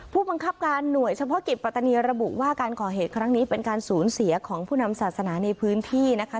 ผู้บังคับการหน่วยเฉพาะกิจปัตตานีระบุว่าการก่อเหตุครั้งนี้เป็นการสูญเสียของผู้นำศาสนาในพื้นที่นะคะ